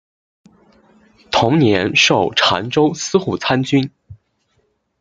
同年授澶州司户参军。